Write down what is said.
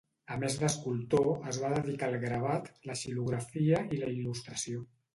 A més d'escultor, es va dedicar al gravat, la xilografia i la il·lustració.